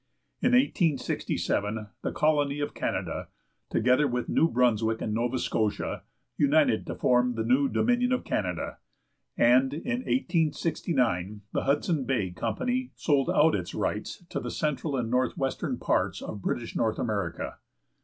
In 1867, the colony of Canada, together with New Brunswick and Nova Scotia, united to form the new Dominion of Canada, and, in 1869, the Hudson Bay Company sold out its rights to the central and northwestern parts of British North America.